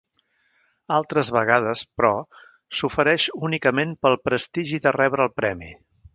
Altres vegades, però, s'ofereix únicament pel prestigi de rebre el premi.